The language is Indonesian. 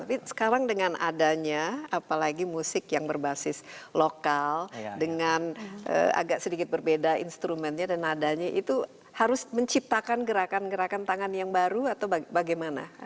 tapi sekarang dengan adanya apalagi musik yang berbasis lokal dengan agak sedikit berbeda instrumennya dan nadanya itu harus menciptakan gerakan gerakan tangan yang baru atau bagaimana